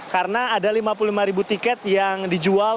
karena ada lima puluh lima ribu tiket yang dijual